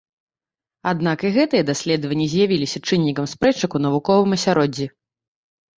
Аднак і гэтыя даследаванні з'явіліся чыннікам спрэчак у навуковым асяроддзі.